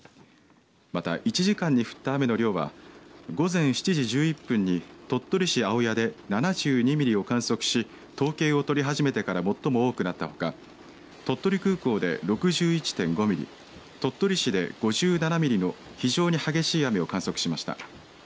また、１時間に降った雨の量は午前７時１１分に鳥取市青谷で７２ミリを観測し統計を取り始めてから最も多くなったほか鳥取空港で６１．５ミリ鳥取市で５７ミリの非常に激しい雨を観測しました。